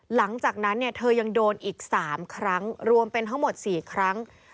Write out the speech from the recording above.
หลังจากนั้นเนี่ยเธอยังโดนอีก๓ครั้งรวมเป็นทั้งหมด๔ครั้ง